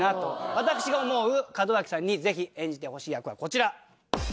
私が思う門脇さんにぜひ演じてほしい役はこちら。